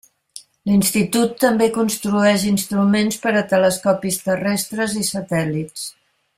L'institut també construeix instruments per a telescopis terrestres i satèl·lits.